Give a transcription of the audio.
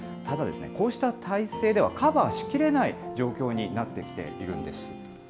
ただですね、こうした体制ではカバーしきれない状況になってきているんです。